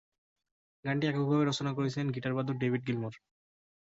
গানটি এককভাবে রচনা করেছেন গিটারবাদক ডেভিড গিলমোর।